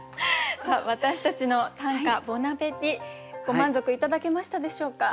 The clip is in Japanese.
私たちの「短歌ボナペティ」ご満足頂けましたでしょうか？